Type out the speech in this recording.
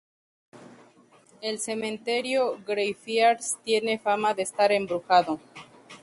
El cementerio Greyfriars tiene fama de estar embrujado.